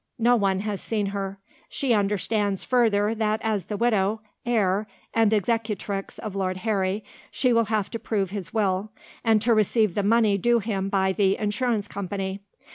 No one has seen her. "She understands, further, that as the widow, heir, and executrix of Lord Harry she will have to prove his will, and to receive the money due to him by the Insurance Company.